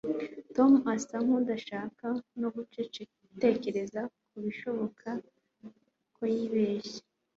tom asa nkudashaka no gutekereza ko bishoboka ko yibeshye